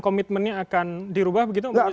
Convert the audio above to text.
komitmennya akan dirubah begitu